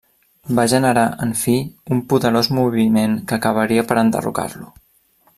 Va generar, en fi, un poderós moviment que acabaria per enderrocar-lo.